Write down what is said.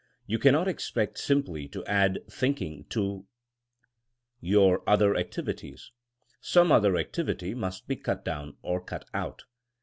You cannot expect simply to add thinking to your other ac tivities. Some other activity must be cut down or cut out.